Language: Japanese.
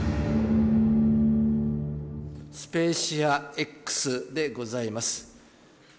スペーシアＸでございます。